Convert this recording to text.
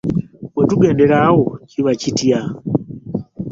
Bwe tugendera awo kiba kitya?